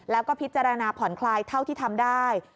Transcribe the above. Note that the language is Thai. แล้วก็พิจารณาผ่อนคลายเท่าที่ทำได้